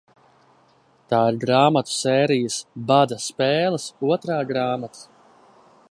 "Tā ir grāmatu sērijas "Bada spēles" otrā grāmata."